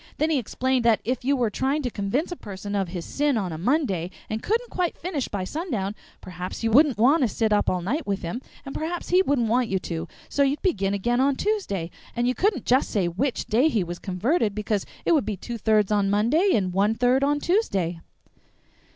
Then he explained that if you were trying to convince a person of his sin on a Monday, and couldn't quite finish by sundown, perhaps you wouldn't want to sit up all night with him, and perhaps he wouldn't want you to; so you'd begin again on Tuesday, and you couldn't say just which day he was converted, because it would be two thirds on Monday and one third on Tuesday."